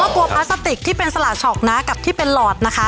ตัวพลาสติกที่เป็นสละช็อกนะกับที่เป็นหลอดนะคะ